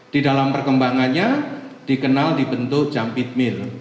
di dalam perkembangannya dikenal dibentuk jump it mill